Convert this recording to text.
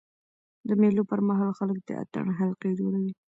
د مېلو پر مهال خلک د اتڼ حلقې جوړوي.